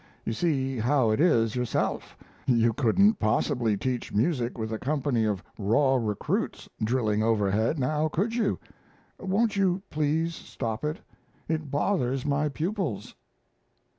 You see how it is yourself. You couldn't possibly teach music with a company of raw recruits drilling overhead now, could you? Won't you please stop it? It bothers my pupils."